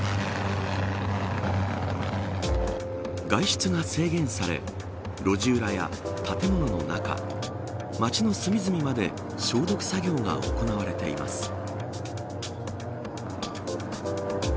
外出が制限され路地裏や、建物の中街の隅々まで消毒作業が行われています。